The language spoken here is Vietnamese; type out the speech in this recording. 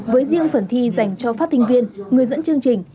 với riêng phần thi dành cho phát sinh viên người dẫn chương trình